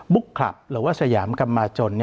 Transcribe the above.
บุคลับหรือสยามกรรมมาจน